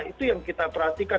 itu yang kita perhatikan